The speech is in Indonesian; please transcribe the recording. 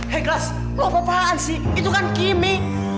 hei gles lo apa apaan sih itu kan kimmy